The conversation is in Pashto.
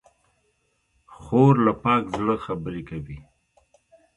خور له پاک زړه خبرې کوي.